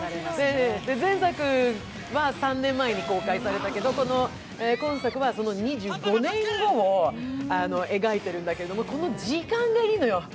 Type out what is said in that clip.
前作は３年前に公開されたけど、今作は２５年後を描いているんだけれども、この時間がいいのよ。